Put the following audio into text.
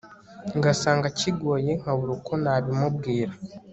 ngasanga kigoye nkabura uko nabimubwira